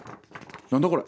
何だこれ？